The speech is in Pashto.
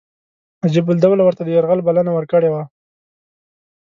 نجیب الدوله ورته د یرغل بلنه ورکړې وه.